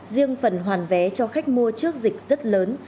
riêng phần hoàn vé cho khách mua trước dịch rất lớn